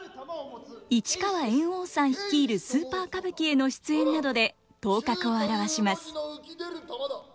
市川猿翁さん率いるスーパー歌舞伎への出演などで頭角を現します。